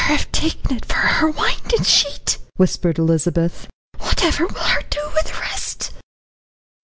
"Her have taken it for her windin' sheet," whispered Elizabeth. "Whativer will her do wi' the rest?"